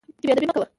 چې بې ادبي مه کوه.